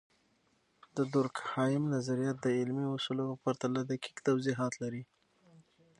د دورکهايم نظریات د علمي اصولو په پرتله دقیق توضیحات لري.